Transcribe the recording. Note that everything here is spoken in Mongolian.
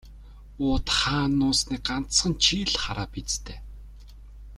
Уут хаана нуусныг ганцхан чи л хараа биз дээ.